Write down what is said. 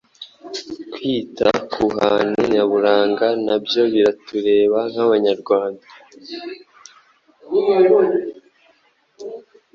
Kwita ku hantu nyaburanga na byo biratureba nk’Abanyarwanda